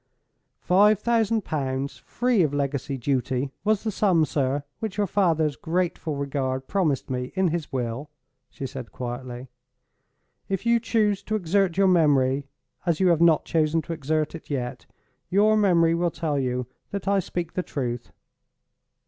"Five thousand pounds, free of legacy duty, was the sum, sir, which your father's grateful regard promised me in his will," she said, quietly. "If you choose to exert your memory, as you have not chosen to exert it yet, your memory will tell you that I speak the truth.